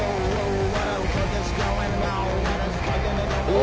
お！